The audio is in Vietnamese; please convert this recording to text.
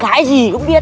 cái gì cũng biết